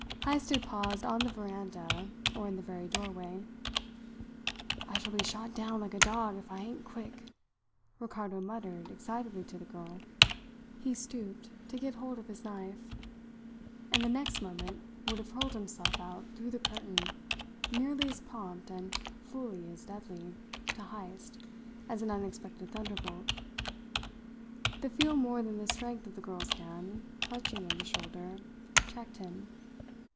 Heyst had paused on the veranda, or in the very doorway. "I shall be shot down like a dog if I ain't quick," Ricardo muttered excitedly to the girl. He stooped to get hold of his knife; and the next moment would have hurled himself out through the curtain, nearly, as prompt and fully as deadly to Heyst as an unexpected thunderbolt. The feel more than the strength of the girl's hand, clutching at his shoulder, checked him.